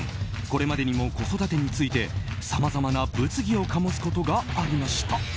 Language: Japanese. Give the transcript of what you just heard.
これまでにも子育てについてさまざまな物議を醸すことがありました。